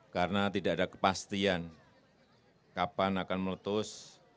karena tidak ada kepastian kapan akan meletus